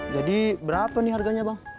jadi berapa nih harganya bang